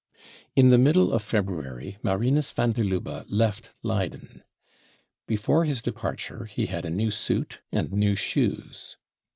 In the middle of February Marinus van der Lubbe left Leyden. Before his departure he had a new suit and new shoes.